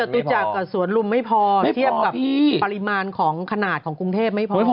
ตุจักรกับสวนลุมไม่พอเทียบกับปริมาณของขนาดของกรุงเทพไม่พอ